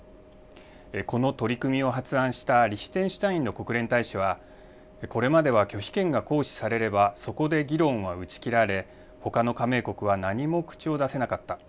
この取り組みを発案したリヒテンシュタインの国連大使は、これまでは拒否権が行使されればそこで議論は打ち切られ、ほかの加盟国は何も口を出せなかった。